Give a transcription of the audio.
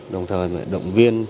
đồng thời động viên